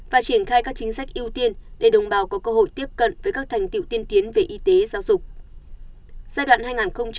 và triển khai các chính sách ưu tiên để đồng bào có cơ hội tiếp cận với các thành tiệu tiên tiến về y tế giáo dục